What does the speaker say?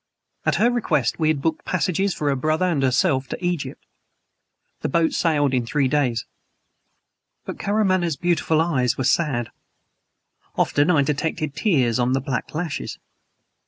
At her request, we had booked passages for her brother and herself to Egypt. The boat sailed in three days. But Karamaneh's beautiful eyes were sad; often I detected tears on the black lashes.